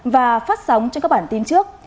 và phát sóng trên các bản tin trước